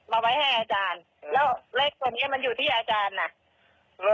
เอาไว้ให้อาจารย์แล้วเลขตัวนี้มันอยู่ที่อาจารย์น่ะ